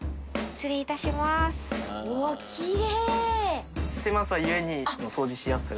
失礼いたします。